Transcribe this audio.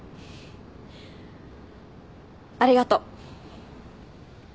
ありがと。